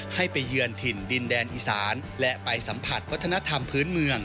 ไปเยือนถิ่นดินแดนอีสานและไปสัมผัสวัฒนธรรมพื้นเมือง